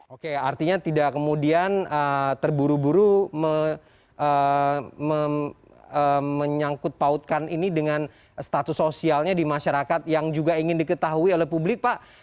oke artinya tidak kemudian terburu buru menyangkut pautkan ini dengan status sosialnya di masyarakat yang juga ingin diketahui oleh publik pak